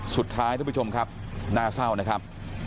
สุดท้ายน้าเศร้านะครับ